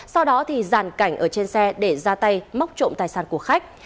sau đó thì giàn cảnh ở trên xe để ra tay móc trộm tài sản của khách